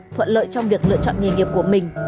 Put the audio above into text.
thuận lợi trong việc lựa chọn nghề nghiệp của mình